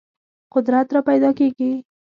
قدرت راپیدا کېږي.